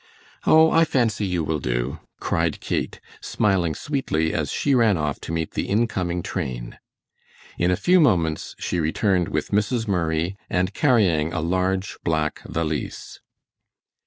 "Oh, I fancy you will do," cried Kate, smiling sweetly, as she ran off to meet the incoming train. In a few moments she returned with Mrs. Murray and carrying a large, black valise.